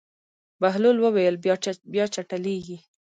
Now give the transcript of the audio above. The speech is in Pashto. بهلول وویل: بیا چټلېږي.